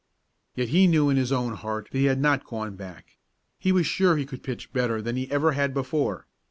Yet he knew in his own heart that he had not gone back he was sure he could pitch better than he ever had before.